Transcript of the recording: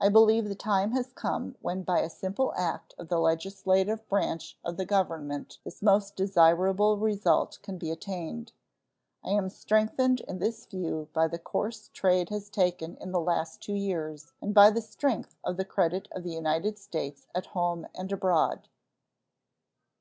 I believe the time has come when by a simple act of the legislative branch of the Government this most desirable result can be attained. I am strengthened in this view by the course trade has taken in the last two years and by the strength of the credit of the United States at home and abroad.